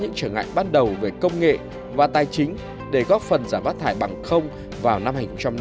những trở ngại bắt đầu về công nghệ và tài chính để góp phần giảm phát thải bằng không vào năm hai nghìn năm mươi